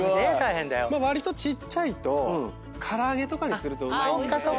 わりとちっちゃいと唐揚げとかにするとうまいんですよ。